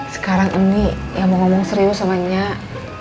sekarang ini ya mau ngomong serius sama nyak